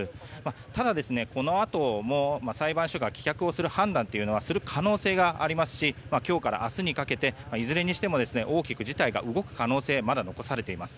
ただ、このあとも裁判所が棄却をする判断はする可能性がありますし今日から明日にかけていずれにしても大きく事態が動く可能性はまだ、残されています。